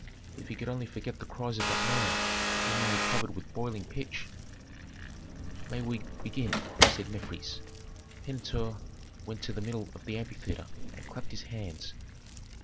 If he could only forget the cries of that man whom they had covered with boiling pitch! "We may begin," said Mefres. Pentuer went to the middle of the amphitheatre and clapped his hands.